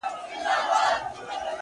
پسله كلونه چي جانان تـه ورځـي;